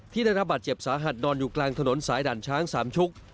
ได้รับบาดเจ็บสาหัสนอนอยู่กลางถนนสายด่านช้างสามชุก